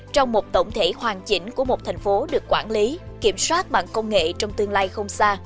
trong một tổng thể hoàn chỉnh của một thành phố được quản lý kiểm soát bằng công nghệ trong tương lai không xa